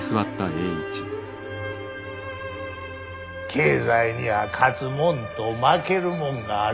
経済には勝つもんと負けるもんがある。